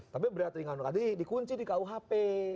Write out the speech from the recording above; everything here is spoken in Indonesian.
tapi berat ringan tadi dikunci di kuhp